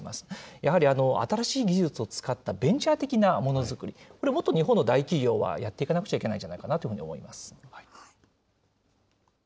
やはり、新しい技術を使ったベンチャー的なものづくり、これ、もっと日本の大企業はやっていかなくちゃいけないんじゃないかなというふうに思います。